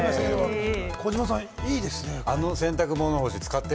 児嶋さん、いいですね。